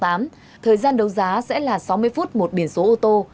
thời gian đấu giá sẽ là sáu mươi phút một biển số ô tô